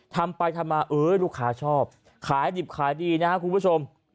ทำไปทำมาเออลูกค้าชอบขายดิบขายดีนะครับคุณผู้ชม